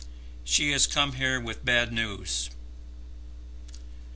She has come here with bad news."